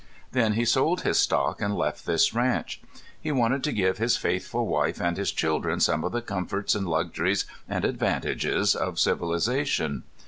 Then he sold his stock and left this ranch. He wanted to give his faithful wife and his children some of the comforts and luxuries and advantages of civilization.